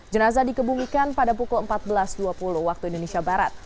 jenazah dikebumikan pada pukul empat belas dua puluh waktu indonesia barat